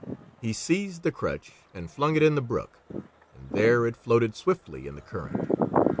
He seized the crutch and flung it in the brook, and there it floated swiftly in the current.